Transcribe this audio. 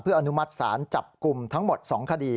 อนุมัติศาลจับกลุ่มทั้งหมด๒คดี